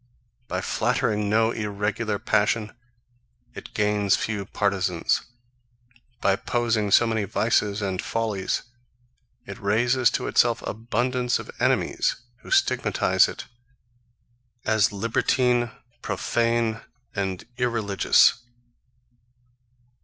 By flattering no irregular passion, it gains few partizans: By opposing so many vices and follies, it raises to itself abundance of enemies, who stigmatize it as libertine profane, and irreligious.